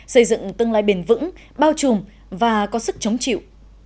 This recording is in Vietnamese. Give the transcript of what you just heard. xây dựng tương lai bền vững bao trùm và có sức chống chịu